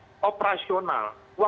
waktu mengoperasional kemudian di indonesia